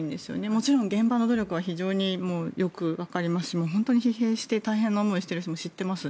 もちろん現場の努力は非常によくわかりますし本当に疲弊して大変な思いをしている人も知っています。